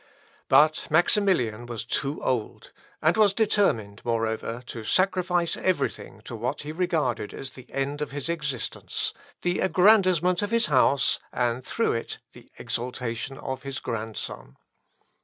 But Maximilian was too old, and was determined, moreover, to sacrifice every thing to what he regarded as the end of his existence, the aggrandisement of his house, and through it the exaltation of his grandson.